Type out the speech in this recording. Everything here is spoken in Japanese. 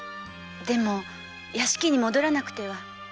でも屋敷に戻らなくては。